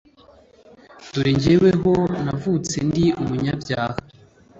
Dore jyeweho navutse ndi umunyabyaha